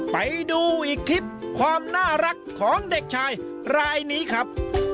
ไปดูอีกคลิปความน่ารักของเด็กชายรายนี้ครับ